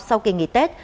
sau kỳ nghỉ tết